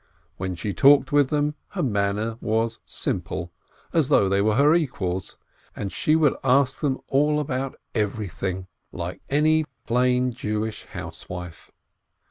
When she talked with them, her manner was simple, as though they were her equals, and she would ask them all about everything, WOMEN 467 like any plain Jewish housewife.